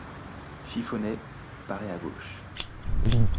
Chiffonnet paraît à gauche.